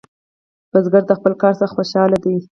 کروندګر د خپل کار څخه خوشحال دی